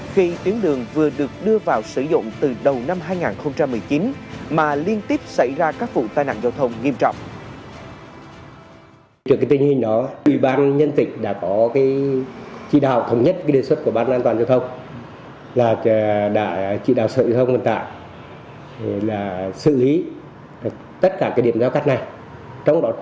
khi tuyến đường vừa được đưa vào sử dụng từ đầu năm hai nghìn một mươi chín mà liên tiếp xảy ra các vụ tai nạn giao thông nghiêm trọng